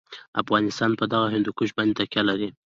افغانستان په دغه هندوکش باندې تکیه لري.